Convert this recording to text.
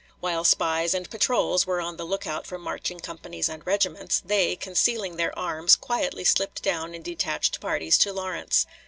While spies and patrols were on the lookout for marching companies and regiments, they, concealing their arms, quietly slipped down in detached parties to Lawrence.